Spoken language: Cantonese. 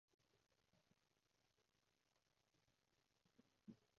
足晒，但推遲我真係無計